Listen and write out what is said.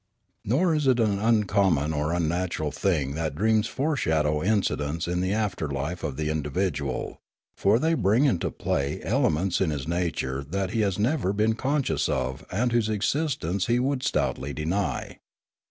Nor is it an uncommon or unnatural thing that dreams foreshadow incidents in the after life of the in dividual ; for they bring into play elements in his nature that he has never been conscious of and whose existence he would stoutly deny.